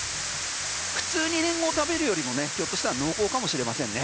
普通にリンゴを食べるよりもひょっとしたら濃厚かもしれませんね。